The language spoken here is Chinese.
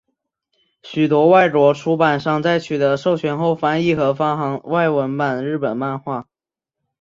许多外国出版商在取得授权后翻译和发行外文版日本漫画。